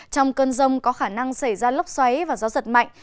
trong cơn rông có khả năng xảy ra lốc xoáy và gió giật mạnh